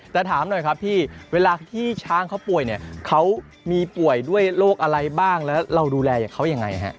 แต่ถามหน่อยครับพี่เวลาที่ช้างเขาป่วยเนี่ยเขามีป่วยด้วยโรคอะไรบ้างแล้วเราดูแลอย่างเขายังไงฮะ